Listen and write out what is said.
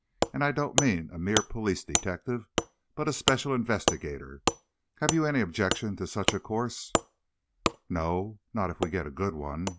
"And I don't mean a mere police detective, but a special investigator. Have you any objection to such a course?" "No; not if we get a good one.